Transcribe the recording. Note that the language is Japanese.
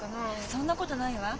そんなことないわ。